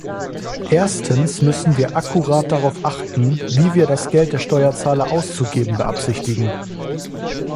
Erstens müssen wir akkurat darauf achten, wie wir das Geld der Steuerzahler auszugeben beabsichtigen.